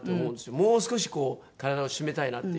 もう少しこう体を締めたいなっていう。